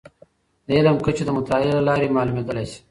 د علم کچې د مطالعې له لارې معلومیدلی شي.